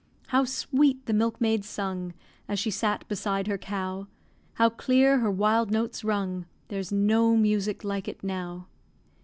How sweet the milkmaid sung, As she sat beside her cow, How clear her wild notes rung; There's no music like it now.